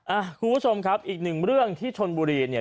คุณผู้ชมครับอีกหนึ่งเรื่องที่ชนบุรีเนี่ย